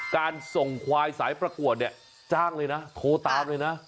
การส่งควายสายประกวดเนี่ยจ้างเลยนะโทรตามเลยนะ